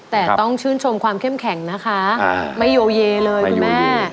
แต่ต้องชื่นชมความเข้มแข็งนะคะไม่โยเยเลยคุณแม่